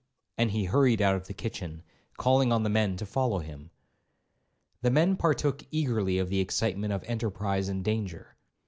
and he hurried out of the kitchen, calling on the men to follow him. The men partook eagerly of the excitement of enterprise and danger.